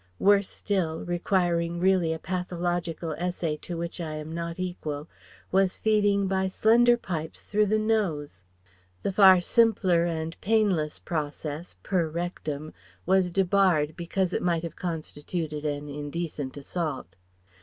Worse still requiring really a pathological essay to which I am not equal was feeding by slender pipes through the nose. The far simpler and painless process per rectum was debarred because it might have constituted an indecent assault.